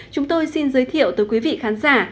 chúng tôi xin giới thiệu tới quý vị khán giả